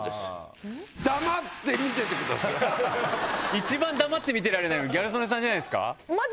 一番黙って見てられないのギャル曽根さんじゃないですか？